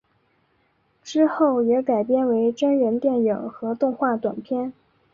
之后也改编为真人电影和动画短片。